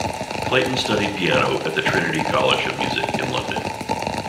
Clayton studied piano at the Trinity College of Music in London.